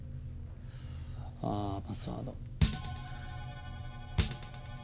ああパスワード！